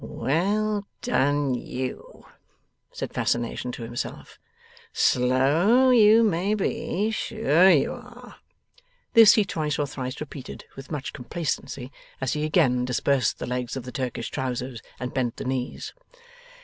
'Well done you!' said Fascination to himself. 'Slow, you may be; sure, you are!' This he twice or thrice repeated with much complacency, as he again dispersed the legs of the Turkish trousers and bent the knees.